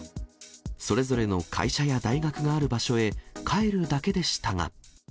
それぞれの会社や大学がある場所へ帰るだけでしたが。